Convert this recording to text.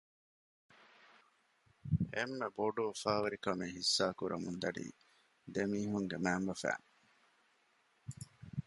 އެންމެ ބޮޑު އުފާވެރިކަމެއް ހިއްސާކުރަމުން ދަނީ ދެމީހުންގެ މައިންބަފައިން